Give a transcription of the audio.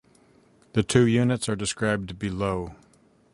The two units are described below.